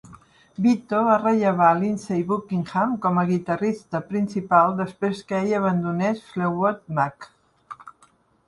Vito va rellevar Lindsey Buckingham com guitarrista principal després que ella abandonés Fleetwood Mac.